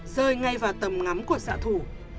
rơi ngay vào tầm ngắm của xã thủ